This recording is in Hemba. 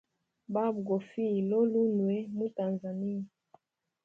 Baba gofiya lolulunwe mu tanzania.